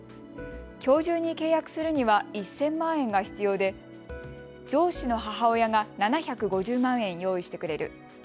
きょう中に契約するには１０００万円が必要で上司の母親が７５０万円用意してくれる。